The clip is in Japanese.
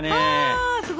あすごい！